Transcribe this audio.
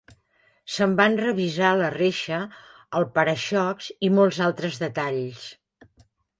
Se'n van revisar la reixa, el para-xocs i molts altres detalls.